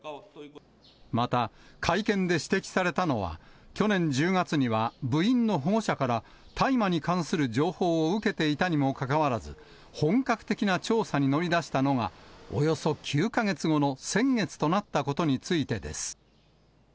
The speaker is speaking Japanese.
また、会見で指摘されたのは、去年１０月には部員の保護者から、大麻に関する情報を受けていたにもかかわらず、本格的な調査に乗り出したのがおよそ９か月後の先月となったことについてです。